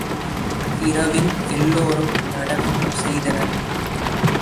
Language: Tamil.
இரவில் எல்லோரும் நடனம் செய்தனர்.